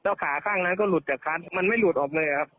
ขาข้างนั้นก็หลุดจากคาร์ดมันไม่หลุดออกเลยครับ